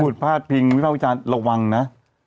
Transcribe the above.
วิภาพวิจารณ์ระวังนะ